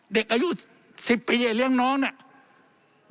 เด็กอายุ๑๐ปีเลี้ยงน้องเนี่ย